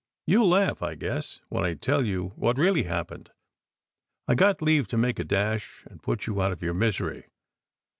You ll laugh, I guess, when I tell you what really happened. I got leave to make a dash and put you out of your misery."